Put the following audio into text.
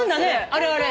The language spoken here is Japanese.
あれあれ。